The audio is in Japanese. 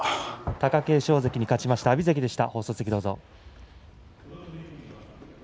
貴景勝関に勝った阿炎関でした。